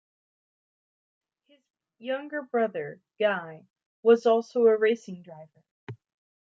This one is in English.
His younger brother, Guy, was also a racing driver.